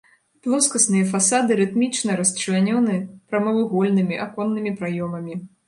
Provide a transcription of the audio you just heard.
Плоскасныя фасады рытмічна расчлянёны прамавугольнымі аконнымі праёмамі.